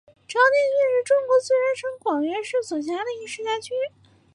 朝天区是中国四川省广元市所辖的一个市辖区。